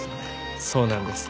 そうなんです。